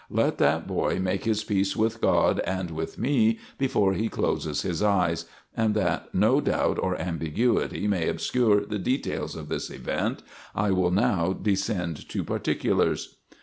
Let that boy make his peace with God and with me before he closes his eyes; and that no doubt or ambiguity may obscure the details of this event, I will now descend to particulars.